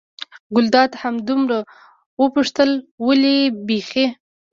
ګلداد همدومره وپوښتل: ولې بېخي.